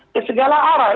ke segala arah